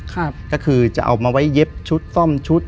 ก็คือจะเอามาไว้เย็บชุดซ่อมชุด